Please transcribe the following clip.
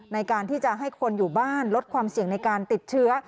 ในการที่จะให้คนอยู่บ้านลดความเสี่ยงในการติดเชื้อ